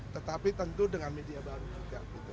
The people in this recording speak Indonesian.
tetapi tentu dengan media baru juga